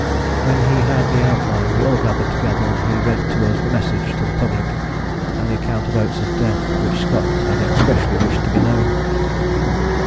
When he had the outline we all gathered together and he read to us the Message to the Public, and the account of Oates' death, which Scott had expressly wished to be known.